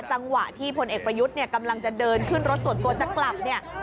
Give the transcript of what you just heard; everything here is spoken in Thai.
จังหวะที่พลเอกประยุทธ์เนี่ยกำลังจะเดินขึ้นรถส่วนตัวจะกลับเนี่ย